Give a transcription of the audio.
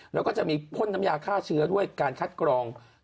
แล้วก็จะมีพ่นน้ำยาฆ่าเชื้อด้วยการคัดกรอง